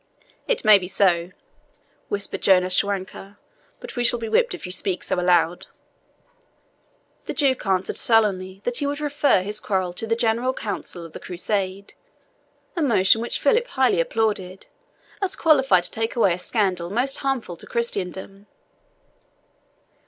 "It may be so," whispered Jonas Schwanker, "but we shall be whipped if you speak so loud." The Duke answered sullenly that he would refer his quarrel to the General Council of the Crusade a motion which Philip highly applauded, as qualified to take away a scandal most harmful to Christendom.